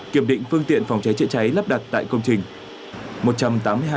kiểm định phương tiện phòng cháy chữa cháy lắp đặt tại công trình